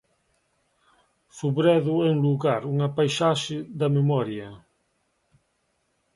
Sobredo é un lugar, unha paisaxe da memoria.